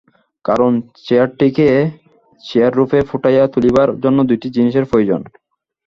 কারণ চেয়ারটিকে চেয়াররূপে ফুটাইয়া তুলিবার জন্য দুইটি জিনিষের প্রয়োজন।